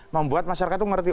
membuat masyarakat tuh ngerti